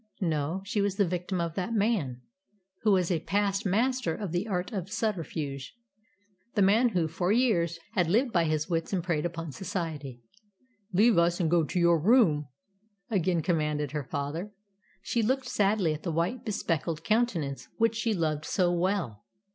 No, she was the victim of that man, who was a past master of the art of subterfuge; the man who, for years, had lived by his wits and preyed upon society. "Leave us, and go to your room," again commanded her father. She looked sadly at the white, bespectacled countenance which she loved so well.